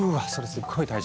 すっごい大事！